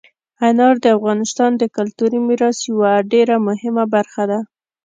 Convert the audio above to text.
انار د افغانستان د کلتوري میراث یوه ډېره مهمه برخه ده.